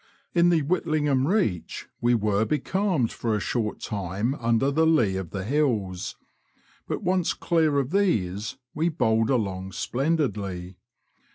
In the WhitliDgham reach we were becalmed for a short time under the lee of the hills, but once clear of these, we bowled along splendidly.